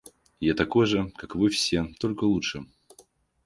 Я такой же, как и вы все, только лучше.